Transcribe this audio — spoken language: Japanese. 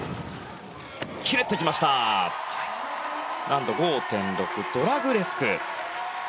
難度５．６、ドラグレスク。